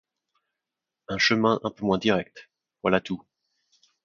Un chemin un peu moins direct, voilà tout.